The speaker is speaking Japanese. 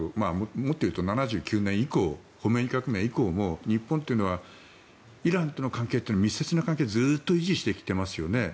もっと言うと７９年以降ホメイニ革命以降も日本というのはイランとの関係は密接な関係をずっと維持してきていますよね。